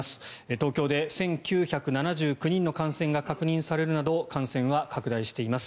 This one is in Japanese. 東京で１９７９人の感染が確認されるなど感染は拡大しています。